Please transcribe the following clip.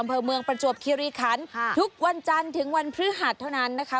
เหรีขันค่ะทุกวันจำงพื้นหันเท่านั้นนะคะ